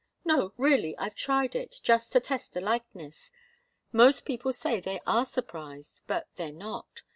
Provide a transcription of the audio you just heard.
No, really I've tried it, just to test the likeness. Most people say they are surprised, but they're not.